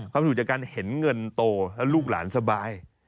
อยู่จากการเห็นเงินโตแล้วลูกหลานสบาย